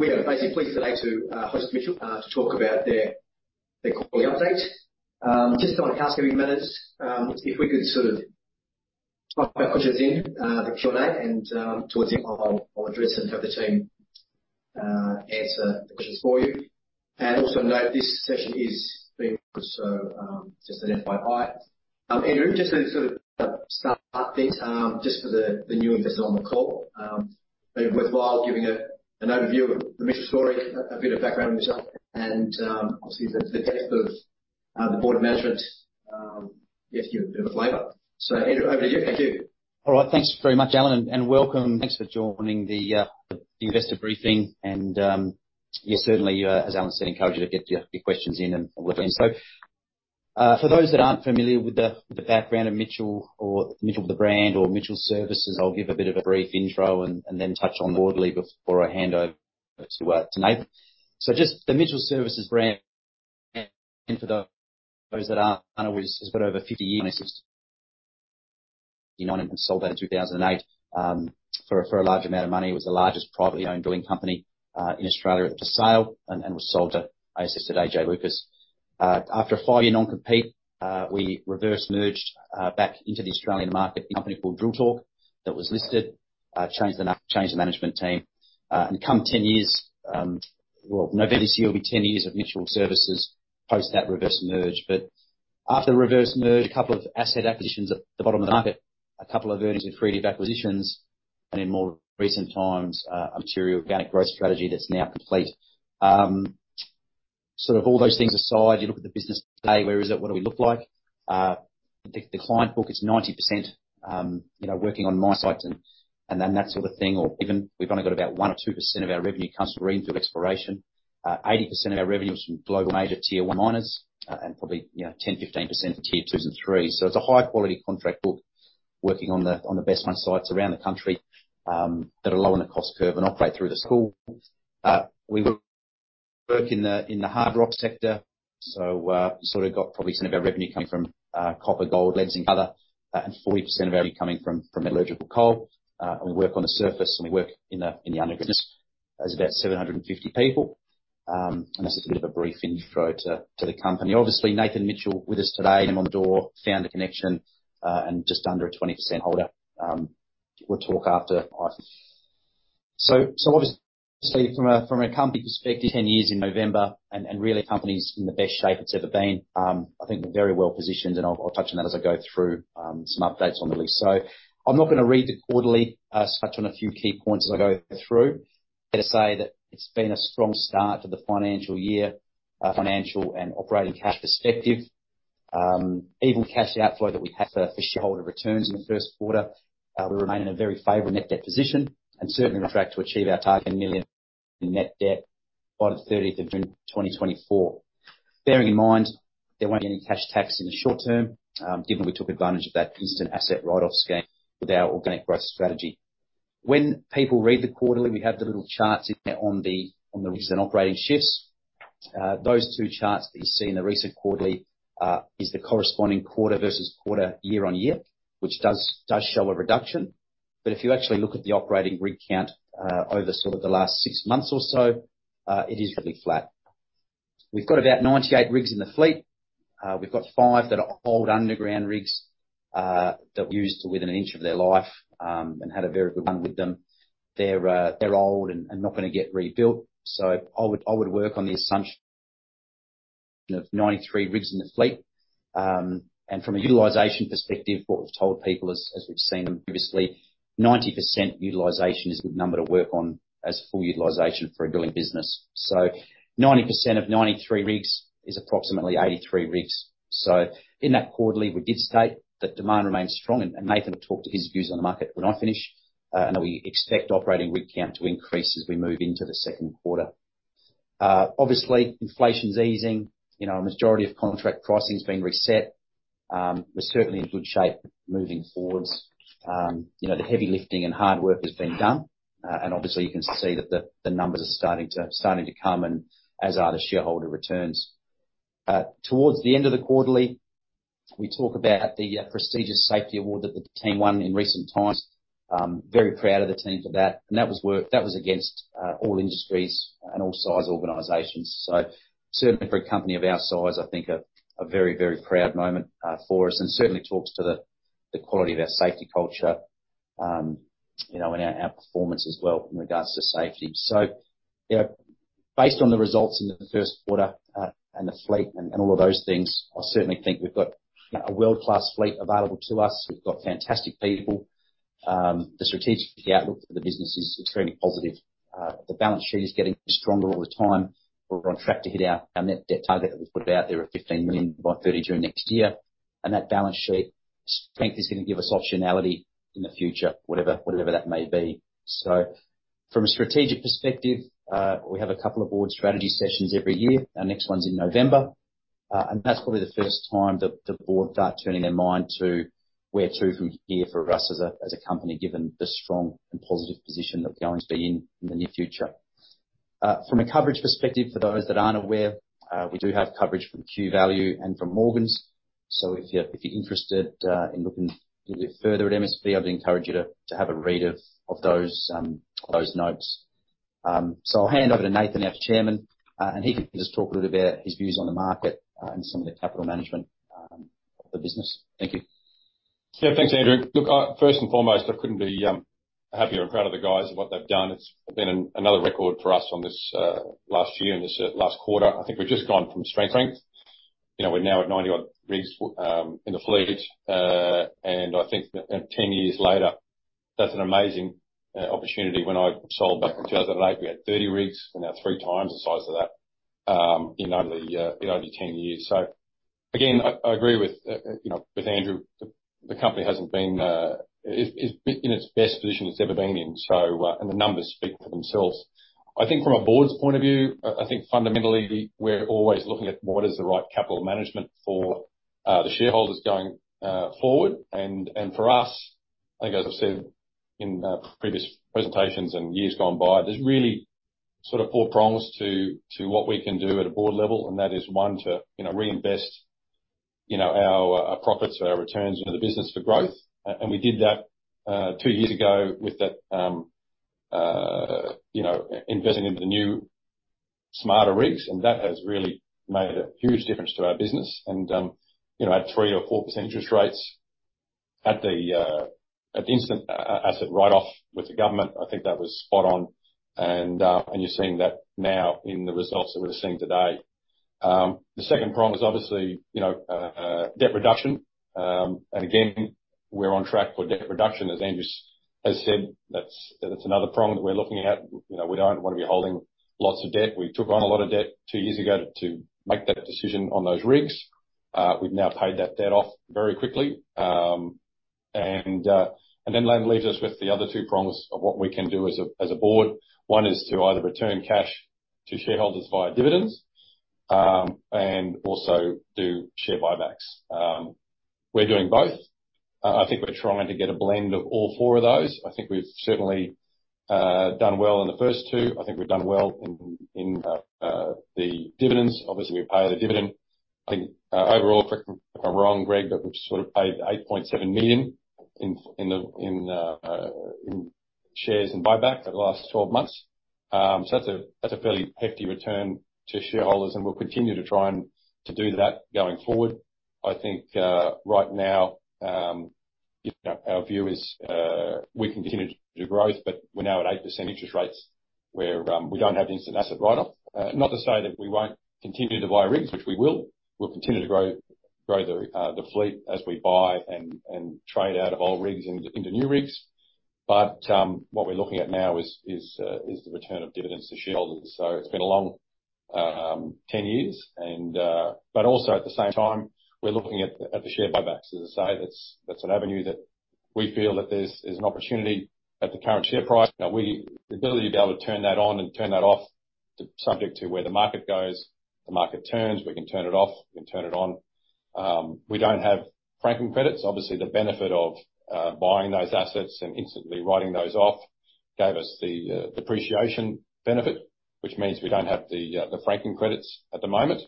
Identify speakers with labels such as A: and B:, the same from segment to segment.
A: We are basically today to host Mitchell to talk about their quarterly update. Just want to ask how many minutes, if we could sort of pop our questions in the Q&A, and towards the end, I'll address and have the team answer the questions for you. And also note, this session is being recorded, so just an FYI. Andrew, just to sort of start this, just for the new investors on the call, it may be worthwhile giving an overview of the Mitchell story, a bit of background on yourself and obviously the depth of the board management, just to give a flavor. So Andrew, over to you. Thank you.
B: All right. Thanks very much, Allen, and welcome. Thanks for joining the investor briefing. And, yeah, certainly, as Allen said, encourage you to get your questions in and we'll look at them. So, for those that aren't familiar with the background of Mitchell or Mitchell, the brand, or Mitchell Services, I'll give a bit of a brief intro and then touch on the quarterly before I hand over to Nathan. So just the Mitchell Services brand, and for those that aren't aware, has got over 50 years... And sold that in 2008 for a large amount of money. It was the largest privately owned drilling company in Australia up for sale and was sold to, ASX listed AJ Lucas. After a five-year non-compete, we reverse merged back into the Australian market, a company called Drill Torque, that was listed. Changed the management team. And come 10 years, well, November this year will be 10 years of Mitchell Services post that reverse merge. But after the reverse merge, a couple of asset acquisitions at the bottom of the market, a couple of earnings accretive acquisitions, and in more recent times, a material organic growth strategy that's now complete. Sort of all those things aside, you look at the business today, where is it? What do we look like? The client book is 90%, you know, working on mine sites and, and then that sort of thing, or even we've only got about 1 or 2% of our revenue comes from greenfield exploration. 80% of our revenue is from global major Tier 1 miners, and probably, you know, 10-15% are Tier 2s and 3s. So it's a high quality contract book, working on the, on the best mine sites around the country, that are low on the cost curve and operate through the cycle. We work in the, in the hard rock sector, so, sort of got probably some of our revenue coming from, copper, gold, lead, and other, and 40% of our revenue coming from, from metallurgical coal. And we work on the surface, and we work in the, in the underground. As about 750 people. And that's a bit of a brief intro to, to the company. Obviously, Nathan Mitchell with us today, and on the board, found a connection, and just under a 20% holder, will talk after I. So obviously from a company perspective, 10 years in November, and really, company's in the best shape it's ever been. I think we're very well positioned, and I'll touch on that as I go through some updates on the release. So I'm not going to read the quarterly, just touch on a few key points as I go through. Fair to say that it's been a strong start to the financial year, financial and operating cash perspective. Even cash outflow that we have for shareholder returns in the first quarter, we remain in a very favorable net debt position, and certainly on track to achieve our target net debt by the 30th of June, 2024. Bearing in mind, there weren't any cash tax in the short term, given we took advantage of that instant asset write-off scheme with our organic growth strategy. When people read the quarterly, we have the little charts in there on the, on the rigs and operating shifts. Those two charts that you see in the recent quarterly is the corresponding quarter versus quarter, year on year, which does, does show a reduction. If you actually look at the operating rig count, over sort of the last six months or so, it is really flat. We've got about 98 rigs in the fleet. We've got five that are old underground rigs that we used within an inch of their life and had a very good run with them. They're old and not gonna get rebuilt, so I would work on the assumption of 93 rigs in the fleet. From a utilization perspective, what we've told people as we've seen them previously, 90% utilization is a good number to work on as full utilization for a drilling business. So 90% of 93 rigs is approximately 83 rigs. In that quarterly, we did state that demand remains strong, and Nathan will talk to his views on the market when I finish. We expect operating rig count to increase as we move into the second quarter. Obviously, inflation's easing, you know, a majority of contract pricing has been reset. We're certainly in good shape moving forward. You know, the heavy lifting and hard work has been done, and obviously you can see that the numbers are starting to come, and as are the shareholder returns. Towards the end of the quarterly, we talk about the prestigious safety award that the team won in recent times. Very proud of the team for that, and that was against all industries and all size organizations. So certainly for a company of our size, I think a very, very proud moment for us, and certainly talks to the quality of our safety culture, you know, and our performance as well in regards to safety. So, you know, based on the results in the first quarter, and the fleet and, and all of those things, I certainly think we've got a world-class fleet available to us. We've got fantastic people. The strategic outlook for the business is extremely positive. The balance sheet is getting stronger all the time. We're on track to hit our net debt target that was put out there at 15 million by 30 June next year, and that balance sheet strength is going to give us optionality in the future, whatever that may be. So from a strategic perspective, we have a couple of board strategy sessions every year. Our next one's in November, and that's probably the first time that the board start turning their mind to where to from here for us as a, as a company, given the strong and positive position that we're going to be in, in the near future. From a coverage perspective, for those that aren't aware, we do have coverage from Q Value and from Morgan's.... So if you, if you're interested, in looking a little bit further at MSV, I would encourage you to, to have a read of, of those, those notes. So I'll hand over to Nathan, our chairman, and he can just talk a little about his views on the market, and some of the capital management, of the business. Thank you.
C: Yeah, thanks, Andrew. Look, first and foremost, I couldn't be happier and proud of the guys and what they've done. It's been another record for us on this last year and this last quarter. I think we've just gone from strength to strength. You know, we're now at 90-odd rigs in the fleet. I think that, and 10 years later, that's an amazing opportunity. When I sold back in 2008, we had 30 rigs, and now three times the size of that in only 10 years. I agree with Andrew, the company hasn't been—it's in its best position it's ever been in, and the numbers speak for themselves. I think from a board's point of view, I think fundamentally, we're always looking at what is the right capital management for the shareholders going forward. And for us, I think, as I've said in previous presentations and years gone by, there's really sort of four prongs to what we can do at a board level, and that is, one, to, you know, reinvest, you know, our profits or our returns into the business for growth. And we did that, two years ago with that, you know, investing into the new smarter rigs, and that has really made a huge difference to our business. And, you know, at 3% or 4% interest rates, at the Instant Asset Write-off with the government, I think that was spot on. And you're seeing that now in the results that we're seeing today. The second prong is obviously, you know, debt reduction. And again, we're on track for debt reduction, as Andrew has said. That's another prong that we're looking at. You know, we don't want to be holding lots of debt. We took on a lot of debt two years ago to make that decision on those rigs. We've now paid that debt off very quickly. And then that leaves us with the other two prongs of what we can do as a board. One is to either return cash to shareholders via dividends, and also do share buybacks. We're doing both. I think we're trying to get a blend of all four of those. I think we've certainly done well in the first two. I think we've done well in the dividends. Obviously, we pay the dividend. I think overall, correct me if I'm wrong, Greg, but we've sort of paid 8.7 million in shares and buyback for the last 12 months. So that's a fairly hefty return to shareholders, and we'll continue to try and to do that going forward. I think right now, you know, our view is we continue to do growth, but we're now at 8% interest rates, where we don't have instant asset write-off. Not to say that we won't continue to buy rigs, which we will. We'll continue to grow the fleet as we buy and trade out of old rigs into new rigs. But what we're looking at now is the return of dividends to shareholders. So it's been a long 10 years, and... But also, at the same time, we're looking at the share buybacks. As I say, that's an avenue that we feel that there's an opportunity at the current share price. Now, the ability to be able to turn that on and turn that off, to subject to where the market goes, the market turns, we can turn it off, we can turn it on. We don't have franking credits. Obviously, the benefit of buying those assets and instantly writing those off gave us the depreciation benefit, which means we don't have the franking credits at the moment.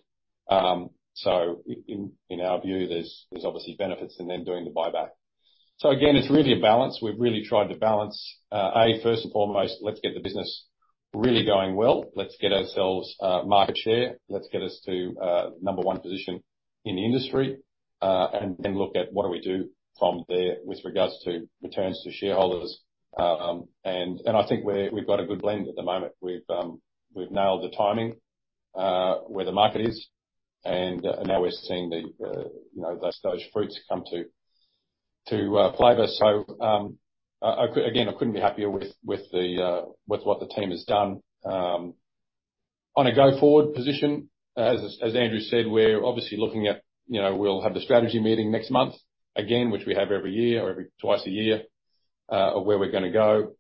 C: So in our view, there's obviously benefits in then doing the buyback. So again, it's really a balance. We've really tried to balance A, first and foremost, let's get the business really going well. Let's get ourselves market share. Let's get us to number one position in the industry, and then look at what do we do from there with regards to returns to shareholders. And I think we've got a good blend at the moment. We've nailed the timing where the market is, and now we're seeing you know those fruits come to flavor. I couldn't be happier with what the team has done. On a go-forward position, as Andrew said, we're obviously looking at, you know, we'll have the strategy meeting next month, which we have every year or every twice a year, of where we're gonna go.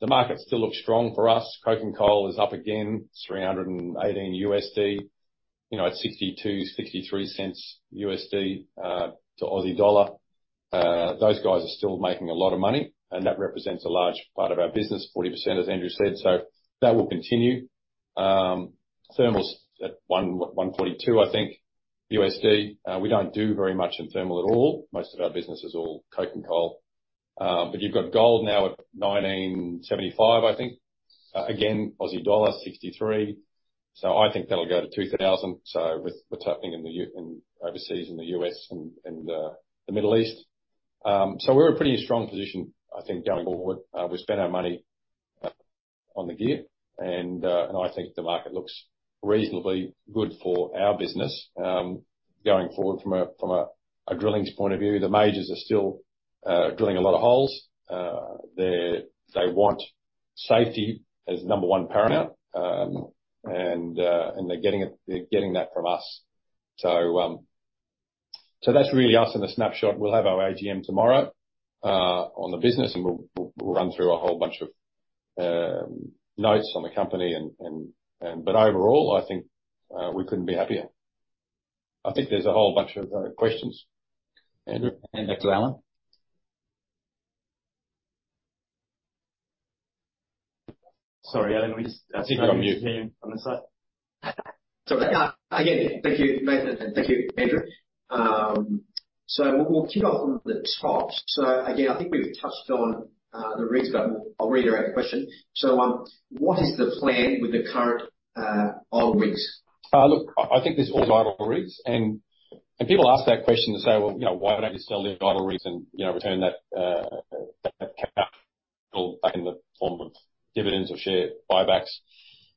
C: The market still looks strong for us. Coking coal is up again, $318, you know, at $0.62-$0.63 to the Aussie dollar. Those guys are still making a lot of money, and that represents a large part of our business, 40%, as Andrew said, so that will continue. Thermal's at $142, I think. We don't do very much in thermal at all. Most of our business is all coking coal. But you've got gold now at $1,975, I think. Again, Aussie dollar 0.63. So I think that'll go to $2,000, so with what's happening in the U.S. and overseas, in the U.S. and the Middle East. So we're in a pretty strong position, I think, going forward. We've spent our money on the gear, and I think the market looks reasonably good for our business. Going forward from a drilling's point of view, the majors are still drilling a lot of holes. They're they want safety as number one paramount, and they're getting it, they're getting that from us. So that's really us in a snapshot. We'll have our AGM tomorrow on the business, and we'll run through a whole bunch of notes on the company. But overall, I think we couldn't be happier. I think there's a whole bunch of questions. Andrew?
B: Thanks, Allen. Sorry, Allen, we just-
C: I think you're on mute.
A: On this side? Sorry. Again, thank you, Nathan, and thank you, Andrew. So we'll kick off from the top. So again, I think we've touched on the rigs, but I'll reiterate the question. So, what is the plan with the current idle rigs?
C: Look, I think there's all idle rigs, and people ask that question to say, "Well, you know, why don't you sell the idle rigs and, you know, return that capital back in the form of dividends or share buybacks?"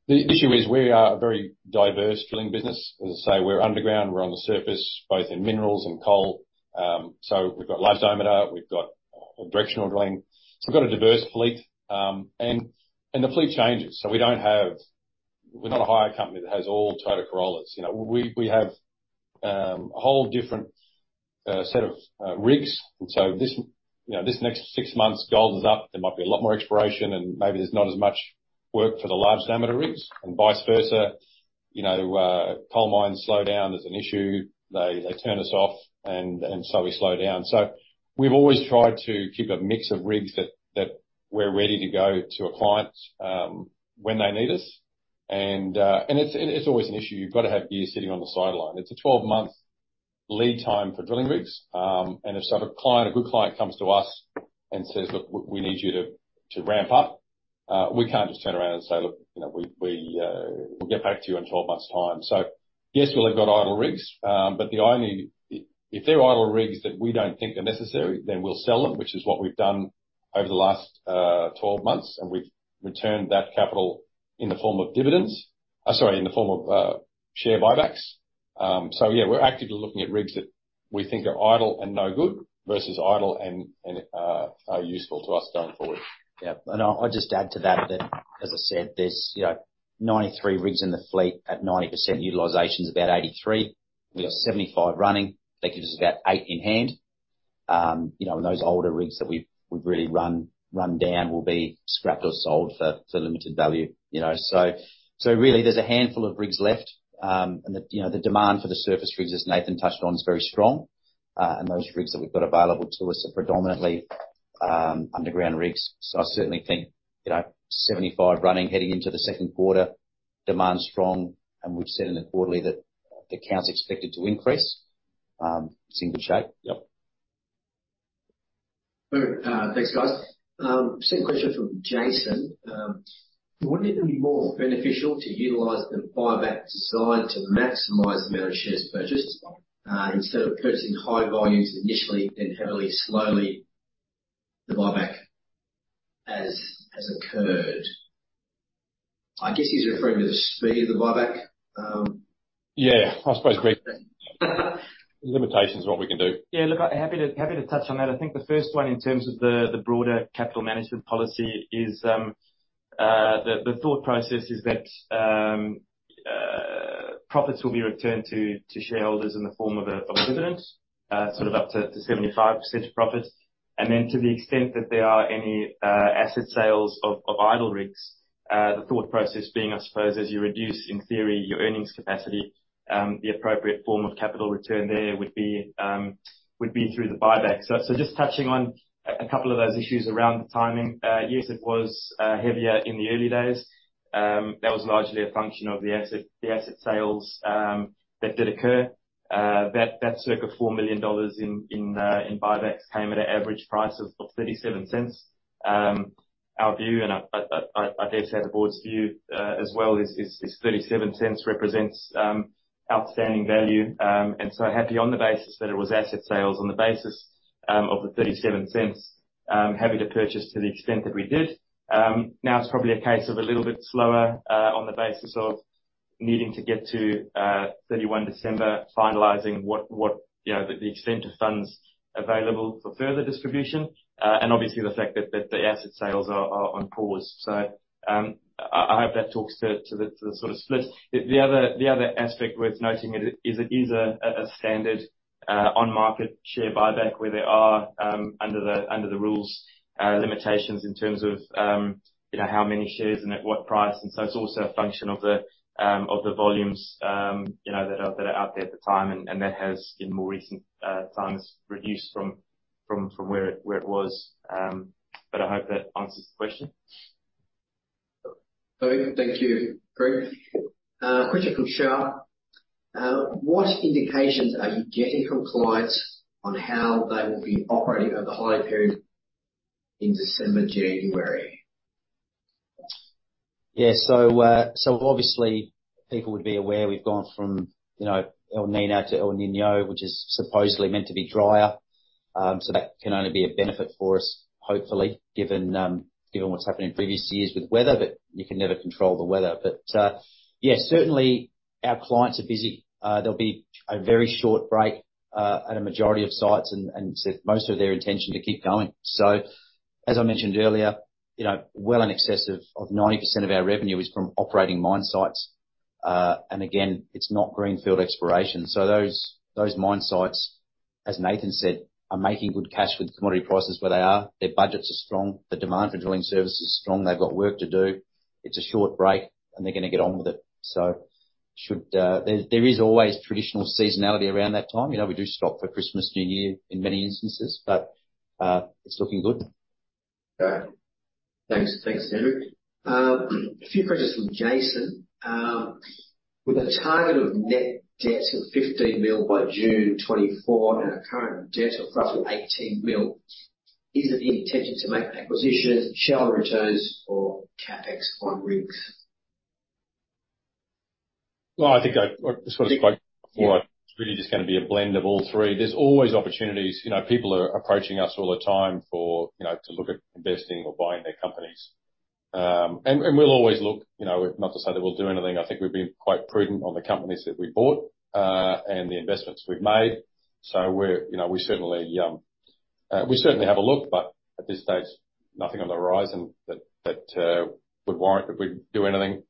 C: The issue is, we are a very diverse drilling business. As I say, we're underground, we're on the surface, both in minerals and coal. So we've got large diameter, we've got directional drilling. So we've got a diverse fleet. And the fleet changes, so we don't have. We're not a hire company that has all Toyota Corollas. You know, we have a whole different set of rigs. And so this, you know, this next six months, gold is up. There might be a lot more exploration, and maybe there's not as much work for the large diameter rigs, and vice versa. You know, coal mines slow down, there's an issue, they turn us off, and so we slow down. So we've always tried to keep a mix of rigs that we're ready to go to a client when they need us. And it's always an issue. You've got to have gear sitting on the sideline. It's a 12-month lead time for drilling rigs. And if so, a client, a good client comes to us and says, "Look, we need you to ramp up," we can't just turn around and say, "Look, you know, we'll get back to you in 12 months' time." So yes, we'll have got idle rigs. But the only... If they're idle rigs that we don't think are necessary, then we'll sell them, which is what we've done over the last 12 months, and we've returned that capital in the form of dividends. Sorry, in the form of share buybacks. So yeah, we're actively looking at rigs that we think are idle and no good, versus idle and are useful to us going forward.
B: Yeah. I'll just add to that, as I said, there's, you know, 93 rigs in the fleet. At 90% utilization is about 83. We've got 75 running. That gives us about 8 in hand. You know, and those older rigs that we've really run down will be scrapped or sold for limited value, you know? So really, there's a handful of rigs left. And the, you know, the demand for the surface rigs, as Nathan touched on, is very strong. And those rigs that we've got available to us are predominantly underground rigs. So I certainly think, you know, 75 running, heading into the second quarter, demand's strong, and we've said in the quarterly that the count's expected to increase. It's in good shape.
C: Yep.
A: Good. Thanks, guys. Same question from Jason. Wouldn't it be more beneficial to utilize the buyback to decide to maximize the amount of shares purchased, instead of purchasing high volumes initially, then heavily, slowly the buyback as occurred? I guess he's referring to the speed of the buyback.
C: Yeah, I suppose, great. Limitations are what we can do.
D: Yeah, look, I'm happy to, happy to touch on that. I think the first one, in terms of the broader capital management policy, is the thought process is that profits will be returned to shareholders in the form of a dividend, sort of up to 75% of profits. And then, to the extent that there are any asset sales of idle rigs, the thought process being, I suppose, as you reduce, in theory, your earnings capacity, the appropriate form of capital return there would be through the buyback. So just touching on a couple of those issues around the timing. Yes, it was heavier in the early days. That was largely a function of the asset sales that did occur. That circa 4 million dollars in buybacks came at an average price of 0.37. Our view, and I dare say the board's view as well, is this 0.37 represents outstanding value. And so happy on the basis that it was asset sales, on the basis of the 0.37, happy to purchase to the extent that we did. Now it's probably a case of a little bit slower, on the basis of needing to get to 31 December, finalizing what, you know, the extent of funds available for further distribution. And obviously, the fact that the asset sales are on pause. So, I hope that talks to the sort of split. The other aspect worth noting is a standard on-market share buyback, where there are under the rules limitations in terms of, you know, how many shares and at what price. And that has, in more recent times, reduced from where it was. But I hope that answers the question.
A: Thank you, Greg. Question from Sharp: What indications are you getting from clients on how they will be operating over the high period in December, January?
B: Yeah. So, obviously, people would be aware we've gone from, you know, El Niño to El Niño, which is supposedly meant to be drier. So that can only be a benefit for us, hopefully, given, given what's happened in previous years with weather, but you can never control the weather. But, yeah, certainly our clients are busy. There'll be a very short break, at a majority of sites, and most are of their intention to keep going. So, as I mentioned earlier, you know, well in excess of 90% of our revenue is from operating mine sites. And again, it's not greenfield exploration, so those mine sites, as Nathan said, are making good cash with commodity prices where they are. Their budgets are strong. The demand for drilling services is strong. They've got work to do. It's a short break, and they're going to get on with it. So there is always traditional seasonality around that time. You know, we do stop for Christmas, New Year in many instances, but it's looking good.
A: All right. Thanks. Thanks, Andrew. A few questions from Jason. With a target of net debt of 15 million by June 2024, and a current debt of roughly 18 million, is it the intention to make acquisitions, shareholder returns, or CapEx on rigs?
C: Well, I think I just wanna- it's really just gonna be a blend of all three. There's always opportunities. You know, people are approaching us all the time for, you know, to look at investing or buying their companies. And we'll always look, you know, not to say that we'll do anything. I think we've been quite prudent on the companies that we bought, and the investments we've made. So we're, you know, we certainly have a look, but at this stage, nothing on the horizon that would warrant that we do anything.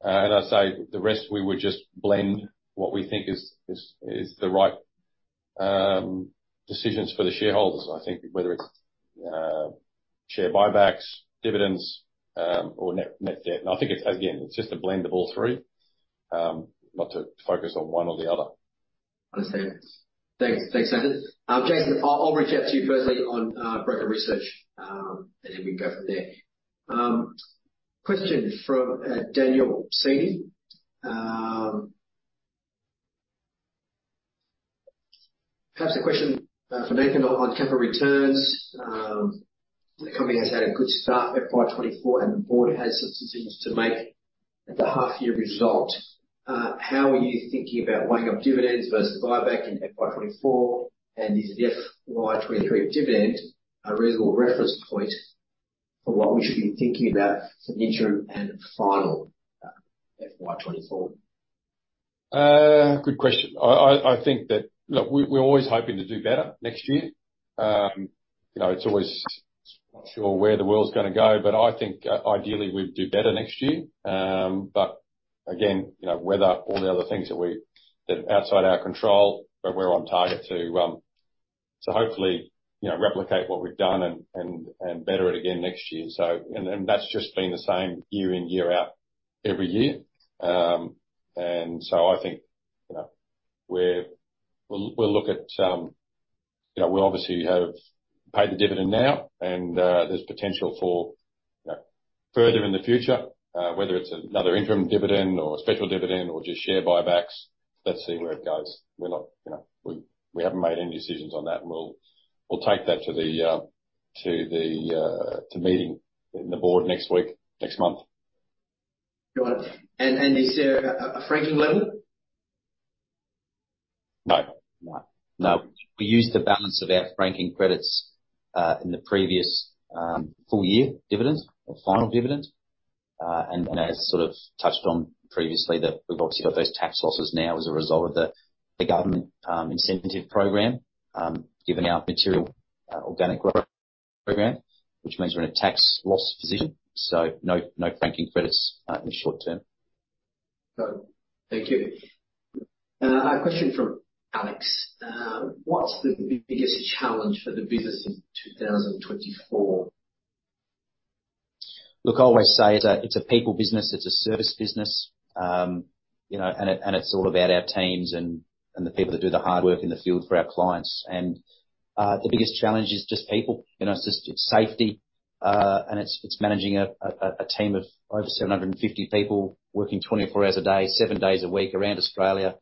C: And the rest, we would just blend what we think is the right decisions for the shareholders. I think whether it's share buybacks, dividends, or net, net debt, and I think it's, again, it's just a blend of all three. Not to focus on one or the other.
A: Understand. Thanks. Thanks, Nathan. Jason, I'll reach out to you firstly on broker research, and then we can go from there. Question from Daniel Seidi. Perhaps a question for Nathan on capital returns. The company has had a good start, FY 2024, and the board has some decisions to make at the half year result. How are you thinking about weighing up dividends versus buyback in FY 2024? And is the FY 2023 dividend a reasonable reference point for what we should be thinking about for the interim and final, FY 2024?
C: Good question. I think that—look, we're always hoping to do better next year. You know, it's always not sure where the world's gonna go, but I think, ideally, we'd do better next year. But again, you know, weather, all the other things that we—that are outside our control, but we're on target to hopefully, you know, replicate what we've done and better it again next year. So. And that's just been the same year in, year out, every year. And so I think, you know, we'll look at. You know, we obviously have paid the dividend now, and there's potential for, you know, further in the future, whether it's another interim dividend, or a special dividend, or just share buybacks. Let's see where it goes. We're not, you know, we haven't made any decisions on that, and we'll take that to the meeting the board next week, next month.
A: Got it. And is there a franking level?
C: No.
B: No. No. We used the balance of our franking credits in the previous full year dividends or final dividends. And as sort of touched on previously, that we've obviously got those tax losses now as a result of the government incentive program giving out material organic growth program, which means we're in a tax loss position, so no, no franking credits in the short term.
A: Thank you. A question from Alex. What's the biggest challenge for the business in 2024?
B: Look, I always say it's a, it's a people business, it's a service business, you know, and it, and it's all about our teams and, and the people that do the hard work in the field for our clients. And, the biggest challenge is just people. You know, it's just, it's safety, and it's, it's managing a team of over 750 people working 24 hours a day, seven days a week around Australia,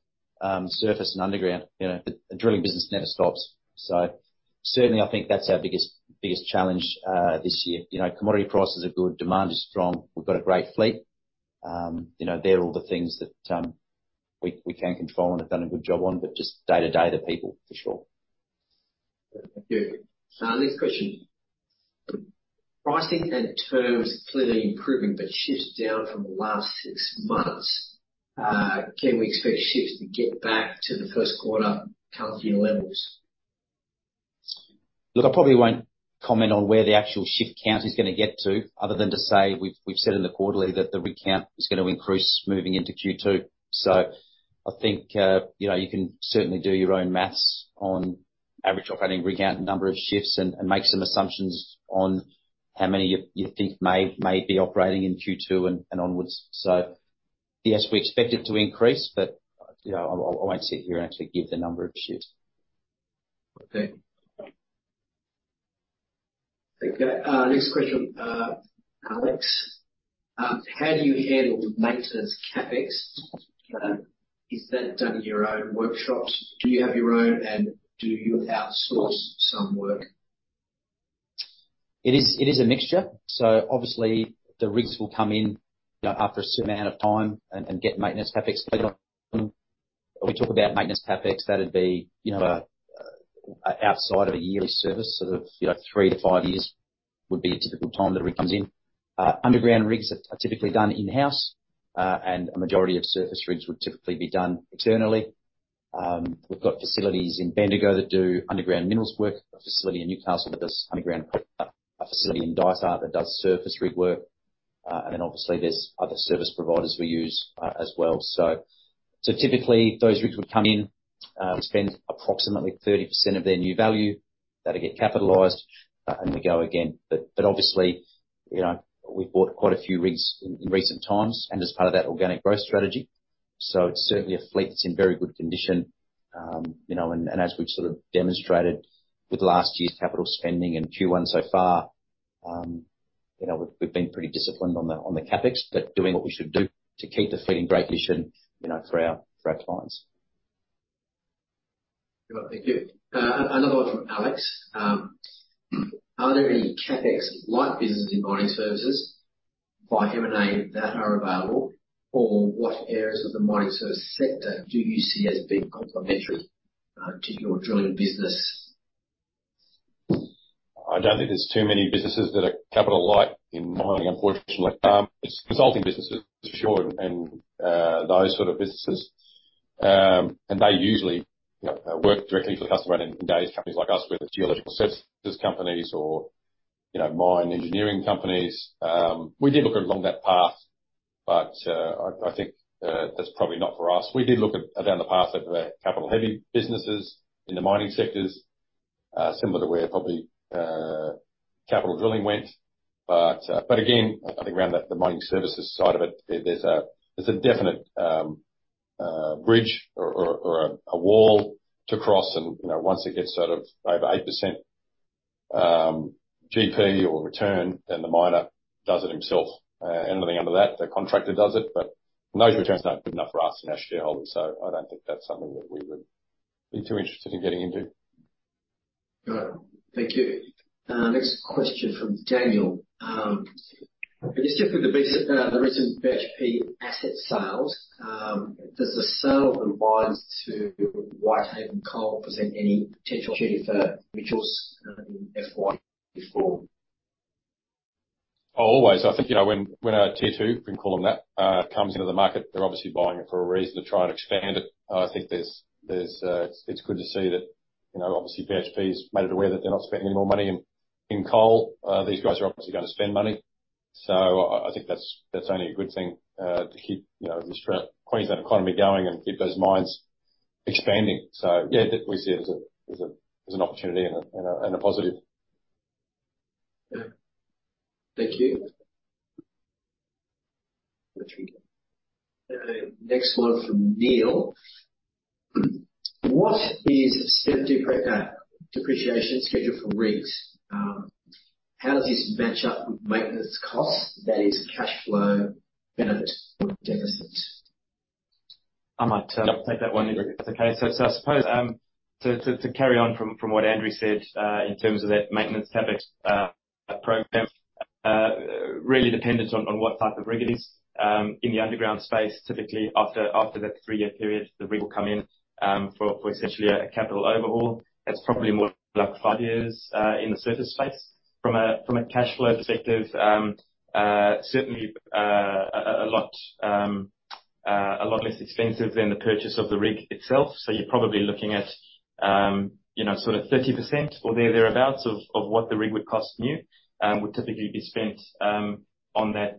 B: surface and underground. You know, the drilling business never stops. So certainly I think that's our biggest, biggest challenge, this year. You know, commodity prices are good, demand is strong, we've got a great fleet. You know, they're all the things that, we can control and have done a good job on, but just day-to-day, the people, for sure.
A: Thank you. Next question: Pricing and terms are clearly improving, but shifts down from the last six months. Can we expect shifts to get back to the first quarter calendar year levels?
B: Look, I probably won't comment on where the actual shift count is gonna get to, other than to say, we've said in the quarterly that the rig count is gonna increase moving into Q2. So I think, you know, you can certainly do your own math on average operating rig count, number of shifts, and make some assumptions on how many you think may be operating in Q2, and onwards. So yes, we expect it to increase, but, you know, I won't sit here and actually give the number of shifts.
A: Okay. Thank you. Next question. Alex, how do you handle maintenance CapEx? Is that done in your own workshops? Do you have your own, and do you outsource some work?
B: It is a mixture. So obviously the rigs will come in, you know, after a certain amount of time and get maintenance CapEx paid on. We talk about maintenance CapEx, that would be, you know, outside of a yearly service, sort of, you know, 3-5 years would be a typical time that a rig comes in. Underground rigs are typically done in-house, and a majority of surface rigs would typically be done externally. We've got facilities in Bendigo that do underground minerals work, a facility in Newcastle that does underground, a facility in Dysart that does surface rig work. And then obviously there's other service providers we use as well. So typically those rigs would come in, we spend approximately 30% of their new value- That'll get capitalized, and we go again. But obviously, you know, we've bought quite a few rigs in recent times, and as part of that organic growth strategy. So it's certainly a fleet that's in very good condition. You know, and as we've sort of demonstrated with last year's capital spending and Q1 so far, you know, we've been pretty disciplined on the CapEx, but doing what we should do to keep the fleet in great condition, you know, for our clients.
A: All right. Thank you. Another one from Alex. Are there any CapEx light businesses in mining services by M&A that are available? Or what areas of the mining service sector do you see as being complementary to your drilling business?
C: I don't think there's too many businesses that are capital light in mining, unfortunately. There's consulting businesses, for sure, and those sort of businesses. And they usually, you know, work directly for the customer. And in today's companies like us, where the geological services companies or, you know, mine engineering companies. We did look along that path, but I think that's probably not for us. We did look down the path of capital-heavy businesses in the mining sectors, similar to where probably Capital Drilling went. But again, I think around that, the mining services side of it, there's a definite bridge or a wall to cross. And, you know, once it gets sort of over 8%, GP or return, then the miner does it himself. Anything under that, the contractor does it. But those returns aren't good enough for us and our shareholders, so I don't think that's something that we would be too interested in getting into.
A: All right. Thank you. Next question from Daniel. Can you speak to the recent, the recent BHP asset sales? Does the sale of the mines to Whitehaven Coal present any potential opportunity for Mitchell in FY before?
C: Oh, always. I think, you know, when a tier two, we can call them that, comes into the market, they're obviously buying it for a reason, to try and expand it. I think there's... It's good to see that, you know, obviously BHP's made it aware that they're not spending any more money in coal. These guys are obviously gonna spend money. So I think that's only a good thing, to keep, you know, the Queensland economy going and keep those mines expanding. So yeah, we see it as an opportunity and a positive.
A: Yeah. Thank you. The next one from Neil. What is standard depreciation schedule for rigs? How does this match up with maintenance costs? That is cash flow benefit or deficit.
D: I might take that one, if that's okay. So I suppose to carry on from what Andrew said, in terms of that maintenance CapEx program, really dependent on what type of rig it is. In the underground space, typically after that 3-year period, the rig will come in for essentially a capital overhaul. That's probably more like five years in the surface space. From a cash flow perspective, certainly a lot less expensive than the purchase of the rig itself. So you're probably looking at, you know, sort of 30%, or thereabouts, of what the rig would cost new, would typically be spent on that,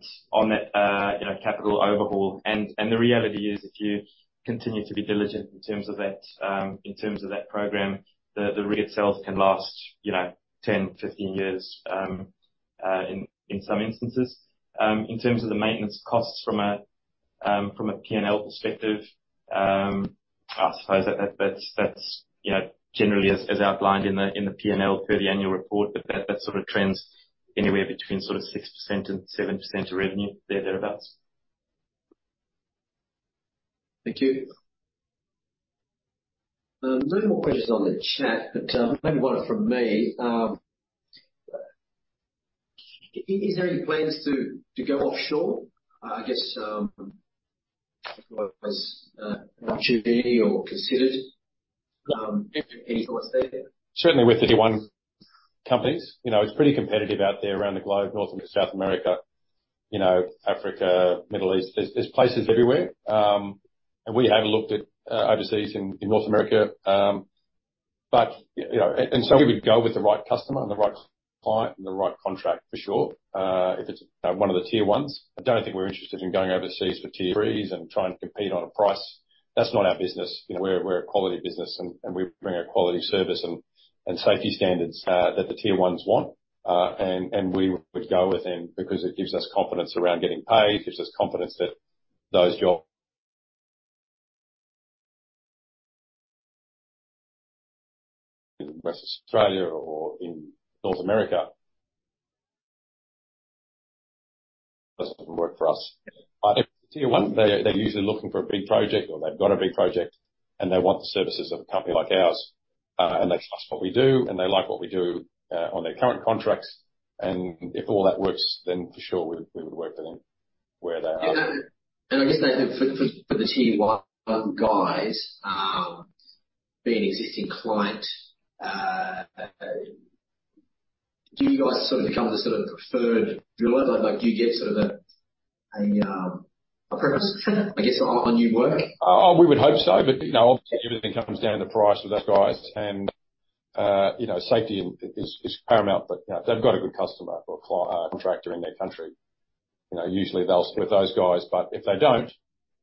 D: you know, capital overhaul. The reality is, if you continue to be diligent in terms of that, in terms of that program, the rig itself can last, you know, 10, 15 years, in some instances. In terms of the maintenance costs from a, from a P&L perspective, I suppose that's, you know, generally as outlined in the P&L per the annual report. But that sort of trends anywhere between sort of 6% and 7% of revenue, there or thereabouts.
A: Thank you. No more questions on the chat, but, maybe one from me. Is there any plans to go offshore? I guess, as an opportunity or considered, any thoughts there?
C: Certainly with the Tier 1 companies. You know, it's pretty competitive out there around the globe, North and South America, you know, Africa, Middle East. There's places everywhere. And we have looked at overseas in North America. But, you know, and so we would go with the right customer and the right client and the right contract for sure, if it's one of the Tier 1s. I don't think we're interested in going overseas for Tier 3s and trying to compete on a price. That's not our business. You know, we're a quality business, and we bring a quality service and safety standards that the Tier 1s want. And we would go with them because it gives us confidence around getting paid. It gives us confidence that those jobs-... In Western Australia or in North America. Doesn't work for us. But Tier 1, they're usually looking for a big project or they've got a big project, and they want the services of a company like ours. And they trust what we do, and they like what we do on their current contracts. And if all that works, then for sure, we would work with them where they are.
A: And I guess for the Tier 1 guys, being an existing client, do you guys sort of become the sort of preferred driller? Like, do you get sort of a preference, I guess, on new work?
C: We would hope so, but, you know, obviously everything comes down to price with those guys and, you know, safety is, is paramount. But if they've got a good customer or a contractor in their country... You know, usually they'll stick with those guys, but if they don't,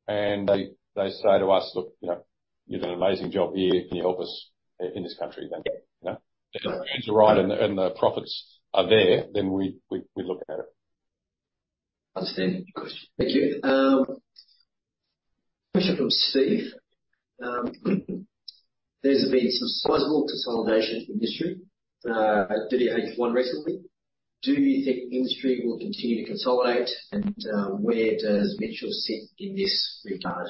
C: and they say to us, "Look, you know, you did an amazing job here. Can you help us in this country?" Then, you know, if the answer is right and the, and the profits are there, then we look at it.
A: Understand. Good. Thank you. Question from Steve. There's been some sizable consolidation in the industry, DDH1 recently. Do you think the industry will continue to consolidate? And, where does Mitchell sit in this regard?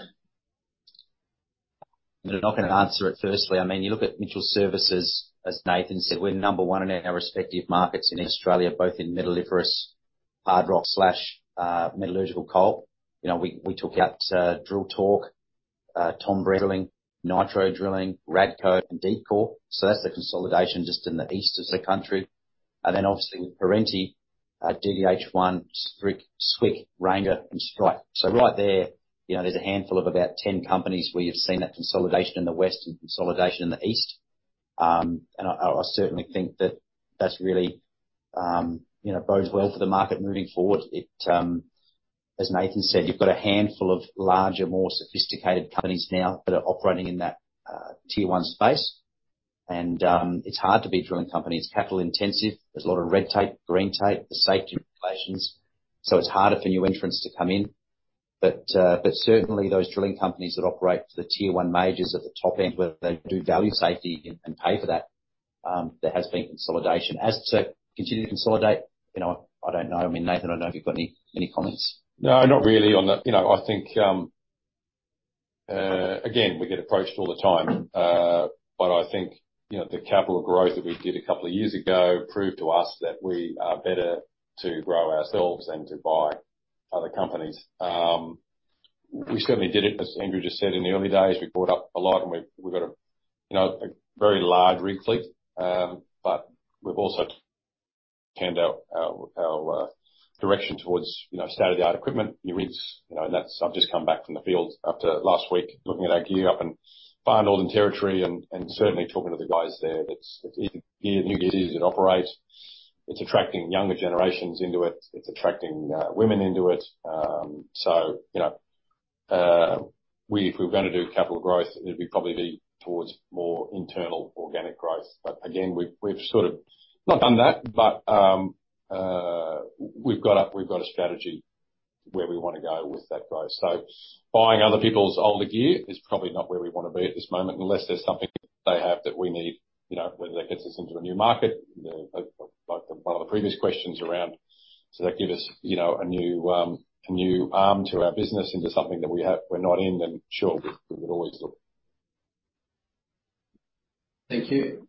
B: I'm not going to answer it firstly. I mean, you look at Mitchell Services, as Nathan said, we're number one in our respective markets in Australia, both in metalliferous, hard rock slash, metallurgical coal. You know, we took out Drill Torque, Tom Browne Drilling, Nitro Drilling, Radco and Deepcore. So that's the consolidation just in the east of the country. And then obviously with Perenti, DDH1, Swick, Ranger and Strike. So right there, you know, there's a handful of about 10 companies where you've seen that consolidation in the west and consolidation in the east. And I certainly think that that's really, you know, bodes well for the market moving forward. It, as Nathan said, you've got a handful of larger, more sophisticated companies now that are operating in that Tier 1 space. It's hard to be a drilling company. It's capital intensive. There's a lot of red tape, green tape, the safety regulations, so it's harder for new entrants to come in. But certainly, those drilling companies that operate the Tier 1 majors at the top end, where they do value safety and pay for that, there has been consolidation. As to continue to consolidate, you know, I don't know. I mean, Nathan, I don't know if you've got any comments?
C: No, not really on that. You know, I think, again, we get approached all the time, but I think, you know, the capital growth that we did a couple of years ago proved to us that we are better to grow ourselves than to buy other companies. We certainly did it, as Andrew just said, in the early days. We bought up a lot, and we got a, you know, a very large rig fleet. But we've also turned our direction towards, you know, state-of-the-art equipment, new rigs, you know, and that's... I've just come back from the field after last week, looking at our gear up in Northern Territory and certainly talking to the guys there, that's, it's easy, new easy to operate. It's attracting younger generations into it. It's attracting women into it. So, you know, if we're going to do capital growth, it would probably be towards more internal organic growth. But again, we've sort of not done that, but we've got a strategy where we want to go with that growth. So buying other people's older gear is probably not where we want to be at this moment, unless there's something they have that we need, you know, whether that gets us into a new market, like one of the previous questions around. So that give us, you know, a new arm to our business into something that we have, we're not in, then sure, we could always look.
A: Thank you.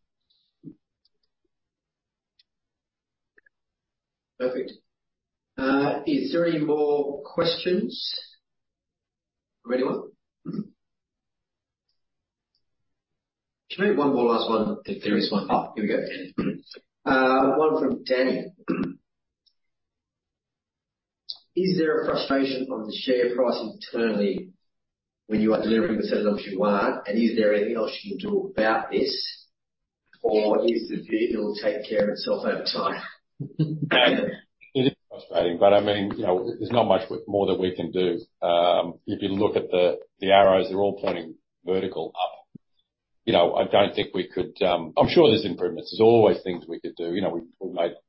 A: Perfect. Is there any more questions from anyone? Maybe one more last one, if there is one. Oh, here we go. One from Danny. Is there a frustration on the share price internally when you are delivering the sales you want? And is there anything else you can do about this, or is it, it'll take care of itself over time?
C: It is frustrating, but I mean, you know, there's not much more that we can do. If you look at the arrows, they're all pointing vertical up. I don't think we could. I'm sure there's improvements. There's always things we could do. You know,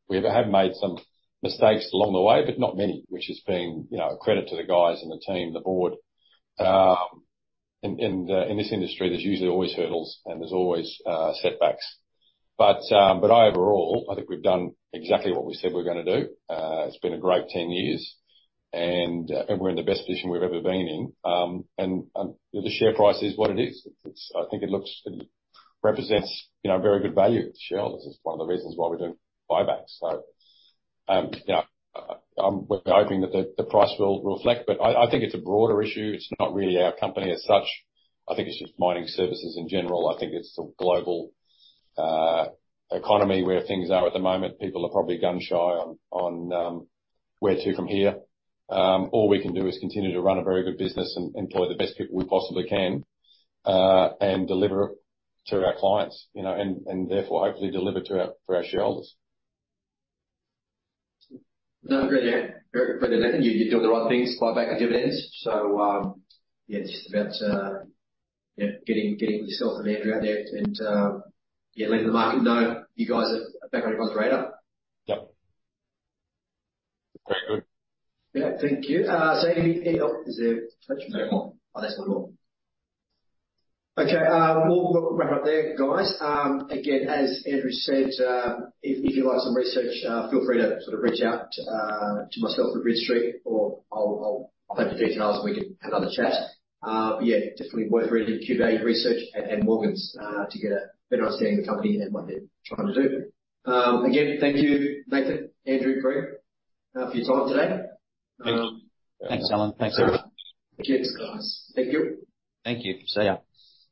C: we have made some mistakes along the way, but not many, which has been a credit to the guys and the team, the board. In this industry, there's usually always hurdles, and there's always setbacks. But overall, I think we've done exactly what we said we were going to do. It's been a great 10 years, and we're in the best position we've ever been in. The share price is what it is. It's, I think it looks, it represents, you know, very good value to shareholders. It's one of the reasons why we're doing buybacks. So, you know, I'm, we're hoping that the, the price will reflect, but I think it's a broader issue. It's not really our company as such. I think it's just mining services in general. I think it's the global economy, where things are at the moment. People are probably gun-shy on where to from here. All we can do is continue to run a very good business and employ the best people we possibly can, and deliver it to our clients, you know, and therefore, hopefully deliver to our, for our shareholders.
B: No, agree there. Agree with Nathan, you're doing the right things, buyback and dividends. So, yeah, it's just about, yeah, getting yourself and Andrew out there and, yeah, letting the market know you guys are back on your growth radar.
C: Yep. Very good.
A: Yeah. Thank you. So, any... Is there a question?
B: There's no more.
A: Oh, there's no more. Okay, we'll wrap it up there, guys. Again, as Andrew said, if you like some research, feel free to sort of reach out to myself at Bridge Street, or I'll have the details, and we can have another chat. But yeah, definitely worth reading Q Value Research and Morgans to get a better understanding of the company and what they're trying to do. Again, thank you, Nathan, Andrew, Greg for your time today.
C: Thanks.
B: Thanks, Allen. Thanks, everyone.
A: Thank you, guys.
D: Thank you.
B: Thank you. See you.